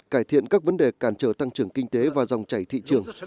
cải thiện các vấn đề cản trở tăng trưởng kinh tế và dòng chảy thị trường